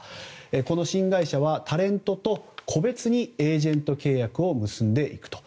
この新会社はタレントと個別にエージェント契約を結んでいくと。